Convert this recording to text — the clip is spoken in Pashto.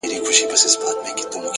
هره ورځ د بدلون تخم لري,